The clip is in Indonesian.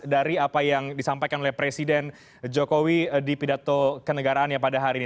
dari apa yang disampaikan oleh presiden jokowi di pidato kenegaraannya pada hari ini